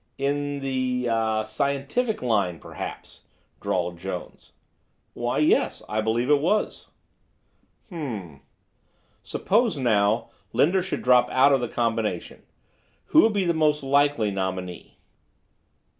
"In the—er—scientific line, perhaps?" drawled Jones. "Why, yes, I believe it was." "Um m. Suppose, now, Linder should drop out of the combination. Who would be the most likely nominee?"